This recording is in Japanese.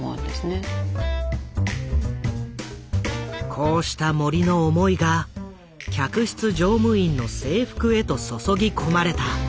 こうした森の思いが客室乗務員の制服へと注ぎ込まれた。